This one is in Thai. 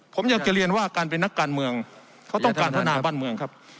ผมอยากจะเรียนว่าการเป็นนักการเมืองเขาต้องการพัฒนาบ้านเมืองครับ